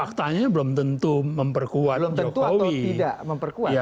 faktanya belum tentu memperkuat jokowi